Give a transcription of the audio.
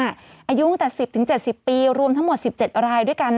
อายุตั้งแต่๑๐๗๐ปีรวมทั้งหมด๑๗รายด้วยกัน